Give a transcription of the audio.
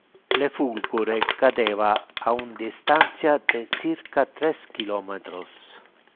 Le fulgure cadeva a un distantia de circa tres kilometros.